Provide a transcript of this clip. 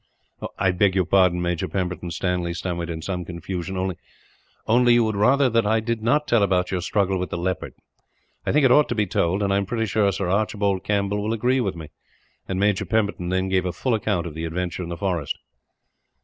"I beg your pardon, Major Pemberton," Stanley stammered in some confusion. "Only " "Only you would rather that I did not tell about your struggle with the leopard. I think it ought to be told, and I am pretty sure Sir Archibald Campbell will agree with me," and Major Pemberton then gave a full account of the adventure in the forest.